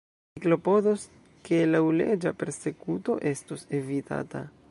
Mi klopodos, ke laŭleĝa persekuto estos evitata.